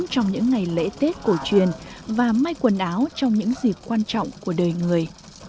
trong những ngày lễ tết cổ truyền và may quần áo trong những dịp quan trọng của đời người